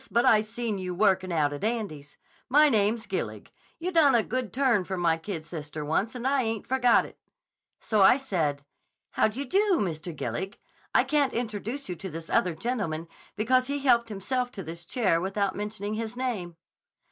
But I seen you workin' out at Andy's. My name's Gillig. You done a good turn for my kid sister once and I ain't forgot it.' So I said, 'How do you do, Mr. Gillig. I can't introduce you to this other gentleman because he helped himself to this chair without mentioning his name.